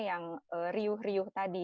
yang riuh riuh tadi